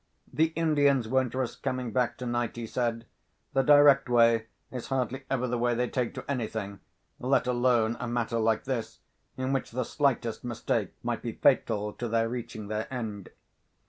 "The Indians won't risk coming back tonight," he said. "The direct way is hardly ever the way they take to anything—let alone a matter like this, in which the slightest mistake might be fatal to their reaching their end."